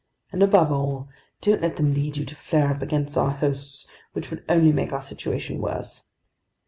"And above all, don't let them lead you to flare up against our hosts, which would only make our situation worse."